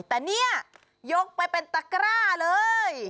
แต่เนี่ยยกไปเป็นตะกร้าเลย